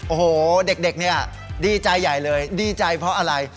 โอ้โหเด็กเนี่ยดีใจใหญ่เลยดีใจเพราะอะไร